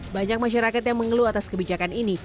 banyak masyarakat yang mengeluh atas kebijakan ini